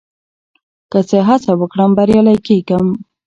که زه هڅه وکړم، بريالی کېږم.